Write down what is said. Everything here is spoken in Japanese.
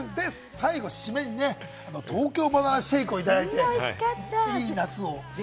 最後締めにね、東京ばな奈シェイクをいただいて、いい夏をね。